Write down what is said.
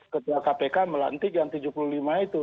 ketua kpk melantik yang tujuh puluh lima itu